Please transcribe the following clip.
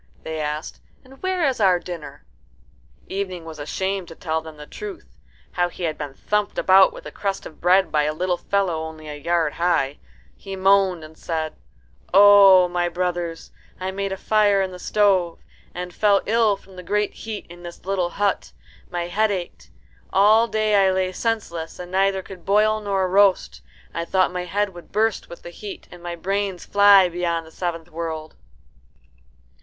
they asked; "and where is our dinner?" Evening was ashamed to tell them the truth how he had been thumped about with a crust of bread by a little fellow only a yard high. He moaned and said, "O my brothers, I made a fire in the stove, and fell ill from the great heat in this little hut. My head ached. All day I lay senseless, and could neither boil nor roast. I thought my head would burst with the heat, and my brains fly beyond the seventh world."